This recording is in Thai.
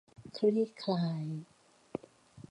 คลี่คลาย